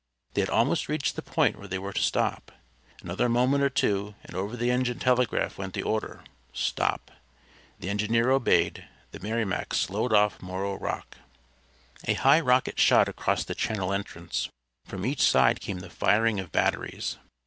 They had almost reached the point where they were to stop. Another moment or two, and over the engine telegraph went the order, "Stop!" The engineer obeyed. The Merrimac slowed off Morro rock. A high rocket shot across the channel entrance. From each side came the firing of batteries.